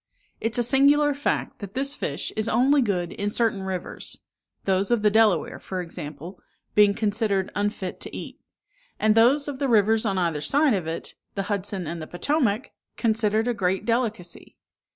It is a singular fact, that this fish is only good in certain rivers: those of the Delaware, for example, being considered unfit to eat; and those of the rivers on either side of it, the Hudson and the Potomac, considered a great delicacy.